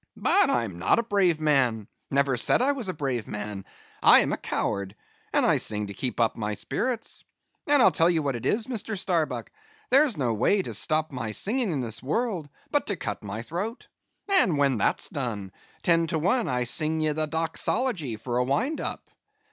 "But I am not a brave man; never said I was a brave man; I am a coward; and I sing to keep up my spirits. And I tell you what it is, Mr. Starbuck, there's no way to stop my singing in this world but to cut my throat. And when that's done, ten to one I sing ye the doxology for a wind up."